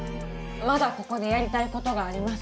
まだここでやりたいことがあります。